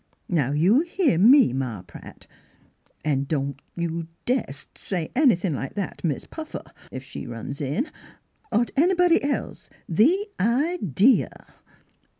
Now you hear me. Ma Pratt; an' don't you das' t' say anything like that t' Mis' Puffer, if she runs in, or t' anybody else. The i de a!